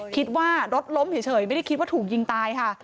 คิดว่ารถล้มเฉยไม่ได้คิดว่าถูกยิงตายค่ะ